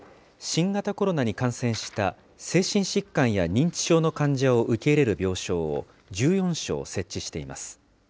新型コロナに感染した精神疾患や認知症の患者を受け入れる病床を１４床設置しています。